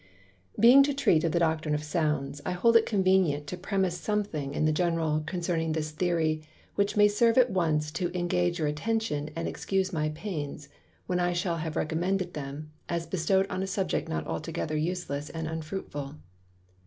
_ Being to treat of the Doctrine of Sounds, I hold it convenient to premise something in the general, concerning this Theory; which may serve at once to ingage your Attention, and excuse my Pains, when I shall have recommended them, as bestow'd on a Subject not altogether useless and unfruitful.